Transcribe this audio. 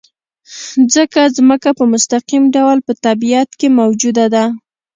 ځکه ځمکه په مستقیم ډول په طبیعت کې موجوده ده.